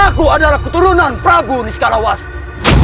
aku adalah keturunan prabu niska lawastu